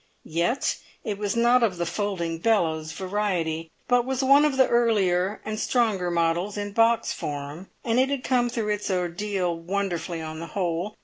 Yet it was not of the folding bellows variety, but was one of the earlier and stronger models in box form, and it had come through its ordeal wonderfully on the whole.